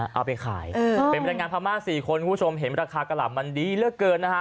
เอาไปขายเออเป็นบรรยายงานภามากสี่คนคุณผู้ชมเห็นราคากะหล่ำมันดีเลือดเกินนะฮะ